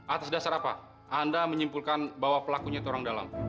atas dasar apa anda menyimpulkan bahwa pelakunya itu orang dalam